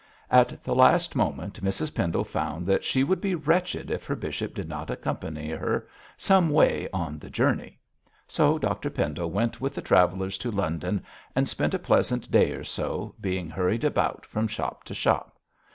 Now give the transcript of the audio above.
At the last moment Mrs Pendle found that she would be wretched if her bishop did not accompany her some way on the journey; so Dr Pendle went with the travellers to London, and spent a pleasant day or so, being hurried about from shop to shop.